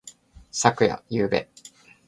昨夜。ゆうべ。